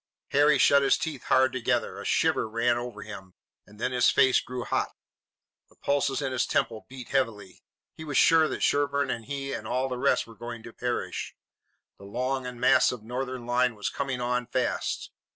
Harry shut his teeth hard together. A shiver ran over him, and then his face grew hot. The pulses in his temples beat heavily. He was sure that Sherburne and he and all the rest were going to perish. The long and massive Northern line was coming on fast.